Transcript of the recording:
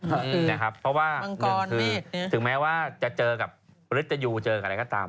อืมมังกรนี่นะครับเพราะว่าถึงแม้ว่าจะเจอกับปฤตจะอยู่เจอกับอะไรก็ตาม